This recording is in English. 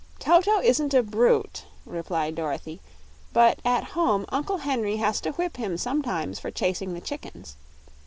"Toto isn't a brute," replied Dorothy, "but at home Uncle Henry has to whip him sometimes for chasing the chickens.